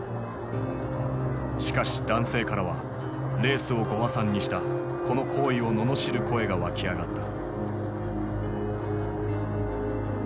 しかし男性からはレースをご破算にしたこの行為を罵る声が湧き上がった。